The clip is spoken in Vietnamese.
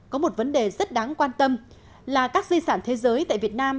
có một vấn đề rất đáng quan tâm là các di sản thế giới tại việt nam